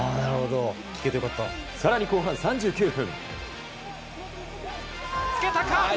更に後半３９分。